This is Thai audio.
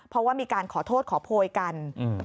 เพราะว่ามีการขอโทษขอโพยกัน